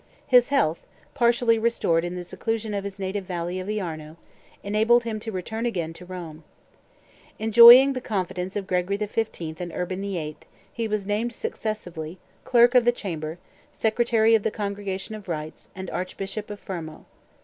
His health, partially restored in the seclusion of his native valley of the Arno, enabled him to return again to Rome. Enjoying the confidence of Gregory XV. and Uban VIII., he was named successively, Clerk of the Chamber, Secretary of the Congregation of Rites, and Archbishop of Fermo.